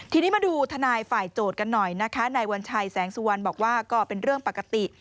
ทีนี้มาดูทนายฝ่ายโจทย์กันหน่อยนะคะนายวัญชัยแสงสุวรรณบอกว่าก็เป็นเรื่องปกติ